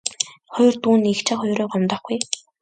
Хоёр дүү нь эгч ах хоёроо гомдоохгүй ээ.